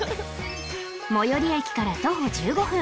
最寄り駅から徒歩１５分